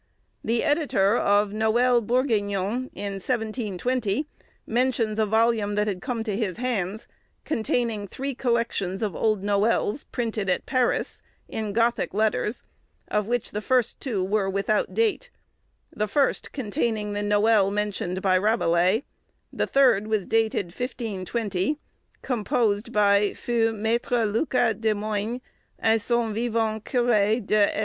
The editor of 'Noël Burguignon,' in 1720, mentions a volume that had come to his hands, containing three collections of old noëls, printed at Paris, in Gothic letters, of which the first two were without date; the first containing the noël mentioned by Rabelais; the third was dated 1520, composed by "_feu Maître Lucas le Moigne, en son vivant Curé de S.